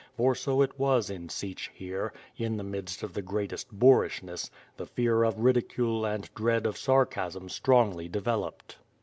For so it was in Sich here, in the midst of the greatest boorishness, tlie fear of ridicule and dread of sar casm strongly developed.